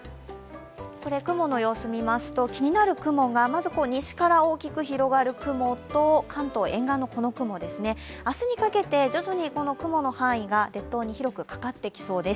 雲の様子を見ますと、気になる雲が西から大きく広がる雲と関東沿岸のこの雲明日にかけて徐々にこの雲の範囲が列島に広くかかってきそうです。